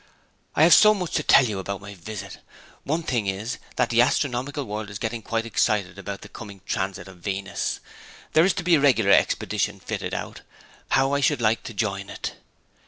I have so much to tell you about my visit; one thing is, that the astronomical world is getting quite excited about the coming Transit of Venus. There is to be a regular expedition fitted out. How I should like to join it!'